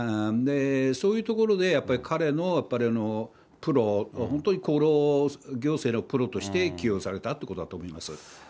そういうところで、やっぱり彼のプロ、本当に厚労行政のプロとして起用されたということだと思います。